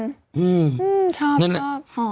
ชอบ